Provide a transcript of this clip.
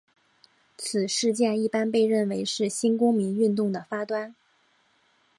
此事件一般被认为是新公民运动的发端。